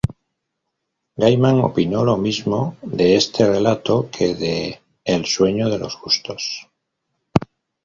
Gaiman opinó lo mismo de este relato que de "El sueño de los justos".